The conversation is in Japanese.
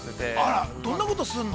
◆どんなことをするの？